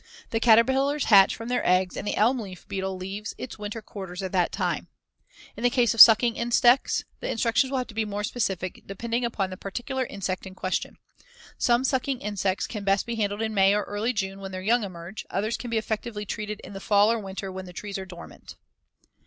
The caterpillars hatch from their eggs, and the elm leaf beetle leaves its winter quarters at that time. In the case of sucking insects, the instructions will have to be more specific, depending upon the particular insect in question. Some sucking insects can best be handled in May or early June when their young emerge, others can be effectively treated in the fall or winter when the trees are dormant.